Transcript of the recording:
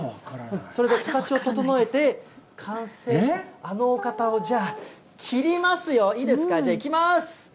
それで形を整えて、完成した、あのお方をじゃあ、切りますよ、いいですか、じゃあいきます。